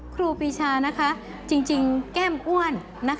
ครูปีชาจริงแก้มอ้วน